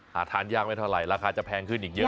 หาทานยากไม่เท่าไหร่ราคาจะแพงขึ้นอีกเยอะ